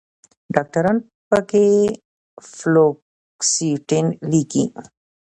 ډاکټران پکښې فلوکسیټين لیکي